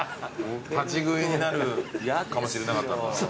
立ち食いになるかもしれなかった。